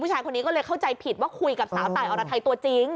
ผู้ชายคนนี้ก็เลยเข้าใจผิดว่าคุยกับสาวตายอรไทยตัวจริง